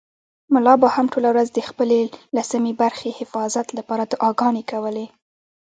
ملا به هم ټوله ورځ د خپلې لسمې برخې حفاظت لپاره دعاګانې کولې.